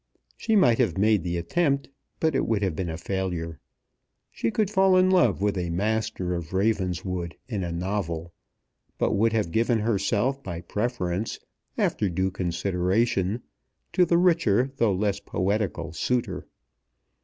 She might have made the attempt, but it would have been a failure. She could fall in love with a Master of Ravenswood in a novel, but would have given herself by preference, after due consideration, to the richer, though less poetical, suitor.